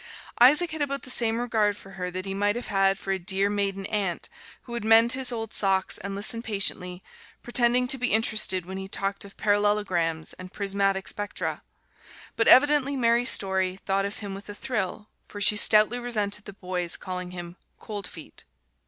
Isaac had about the same regard for her that he might have had for a dear maiden aunt who would mend his old socks and listen patiently, pretending to be interested when he talked of parallelograms and prismatic spectra. But evidently Mary Story thought of him with a thrill, for she stoutly resented the boys calling him "Coldfeet."